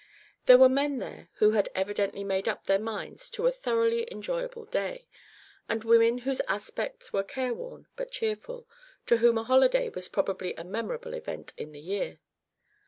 There were men there who had evidently made up their minds to a thoroughly enjoyable day, and women whose aspect was careworn but cheerful, to whom a holiday was probably a memorable event in the year.